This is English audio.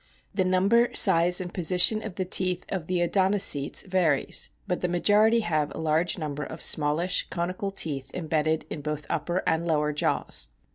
The number, size, and position of the teeth of the Odontocetes varies, but the majority have a large number of smallish, conical teeth embedded in both upper and lower jaws.